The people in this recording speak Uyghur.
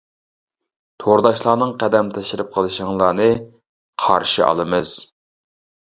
تورداشلارنىڭ قەدەم تەشرىپ قىلىشىڭلارنى قارشى ئالىمىز!